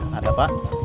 gak ada pak